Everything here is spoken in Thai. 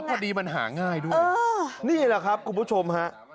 พอดีมันหาง่ายด้วยนี่แหละครับคุณผู้ชมฮะ